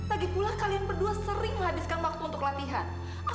lagipula kalian berdua sering menghabiskan waktu untuk latihan